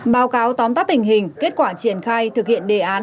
báo cáo tóm tắt tình hình kết quả triển khai thực hiện đề án